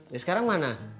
ya sekarang mana